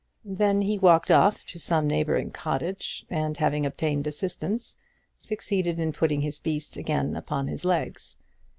Then he walked off to some neighbouring cottage, and having obtained assistance, succeeded in putting his beast again upon his legs.